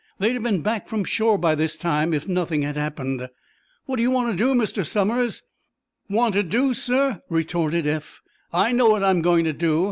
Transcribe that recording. They'd have been back from shore by this time, if nothing had happened." "What do you want to do, Mr. Somers?" "Want to do, sir?" retorted Eph. "I know what I'm going to do.